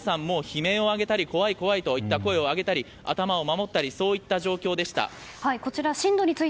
皆さん、悲鳴を上げたり怖いと声を上げたり頭を守ったりそういった状況でした。